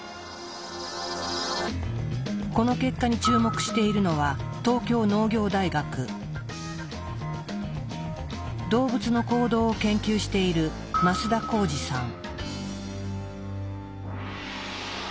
この結果に注目しているのは動物の行動を研究している増田宏司さん。